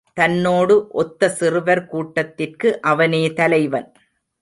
தன்னோடு ஒத்த சிறுவர் கூட்டத்திற்கு அவனே தலைவன்.